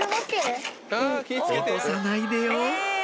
落とさないでよ！